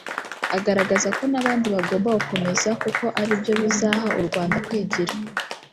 agaragaza ko n’abandi bagomba gukomeza kuko ari byo bizaha u Rwanda kwigira